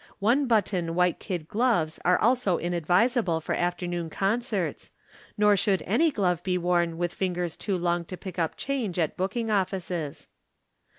One button White Kid Gloves are also inadvisable for afternoon concerts; nor should any glove be worn with fingers too long to pick up change at booking offices.